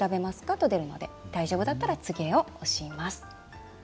と出ますので大丈夫だったら「つぎへ」を押します。